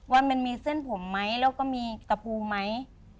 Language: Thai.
ว่ามันมีเส้นผมไหมแล้วก็มีตะปูไหม